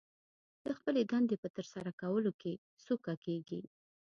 د خپلې دندې په ترسره کولو کې سوکه کېږي